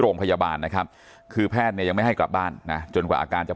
โรงพยาบาลนะครับคือแพทย์เนี่ยยังไม่ให้กลับบ้านนะจนกว่าอาการจะ